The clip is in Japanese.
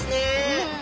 うん。